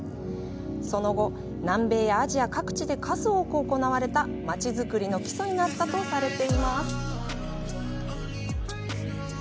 その後、南米やアジア各地で数多く行われたまちづくりの基礎になったとされています。